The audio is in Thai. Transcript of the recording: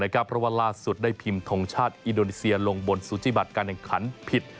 เพราะว่าล่าสุดได้พิมพ์ท้องชาติอิดโนนีเซียลงบนการศึกซ้นปิด